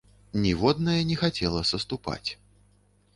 Ніводная не хацела саступаць.